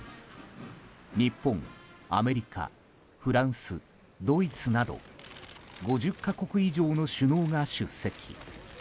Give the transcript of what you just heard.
日本、アメリカフランス、ドイツなど５０か国以上の首脳が出席。